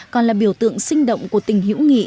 còn là biểu tượng sinh động của tình hữu nghị